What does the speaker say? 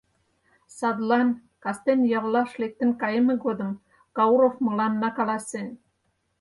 Садлан, кастен яллаш лектын кайыме годым, Кауров мыланна каласен: